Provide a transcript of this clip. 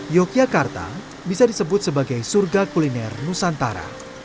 yogyakarta bisa disebut sebagai surga kuliner nusantara